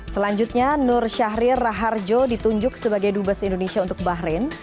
selanjutnya nur syahrir raharjo ditunjuk sebagai dubes indonesia untuk bahrain